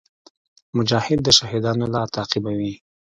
مجاهد د شهیدانو لار تعقیبوي.